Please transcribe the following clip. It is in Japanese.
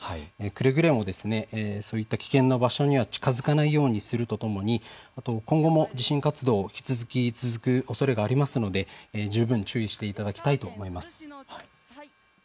くれぐれもそういった危険な場所には近づかないようにするとともに今後も地震活動、引き続き続くおそれがありますので十分注意していただきたいと思います。